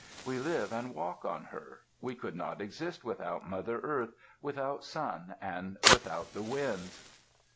We live and walk on her. We could not exist without Mother Earth, without Sun, and without the Winds.